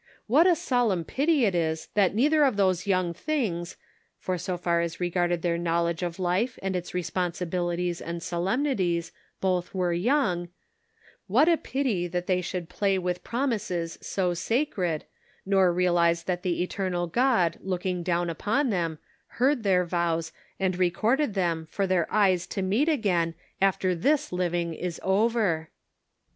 What a solemn pity it is that neither of those young things — for so far as regarded their knowledge of life and its responsibilities and solemnities both were young — what a pity that they should 278 The Pocket Measure. play with promises so sacred, nor realize that the eternal God looking down upon them heard their vows and recorded them for their eyes to meet again after this living is over